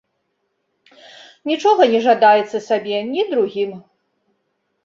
Нічога не жадаецца сабе, ні другім.